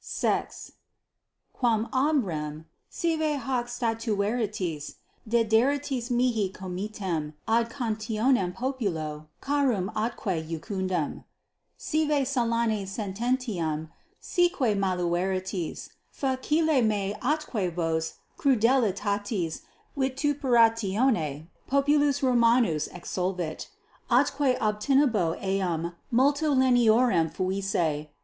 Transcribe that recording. _ =6.= Quam ob rem sive hoc statueritis, dederitis mihi comitem ad 11 contionem populo carum atque iucundum, sive Silani sententiam sequi malueritis, facile me atque vos crudelitatis vituperatione populus Romanus exsolvet, atque obtinebo eam multo leniorem fuisse.